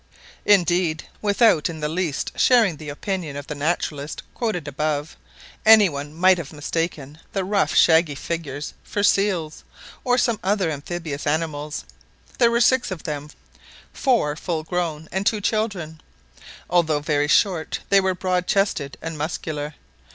Indeed, without in the least sharing the opinion of the naturalist quoted above, any one might have taken the rough shaggy figures for seals or some other amphibious animals. There were six of them four full grown, and two children. Although very short, they were broad chested and muscular.